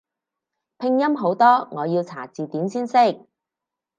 拼音好多我要查字典先識